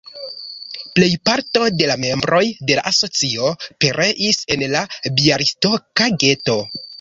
Plejparto de la membroj de la asocio pereis en la bjalistoka geto.